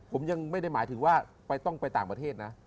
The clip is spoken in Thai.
ผมยังไม่ได้หมายถึงว่าต้องไปต่างประเทศนะ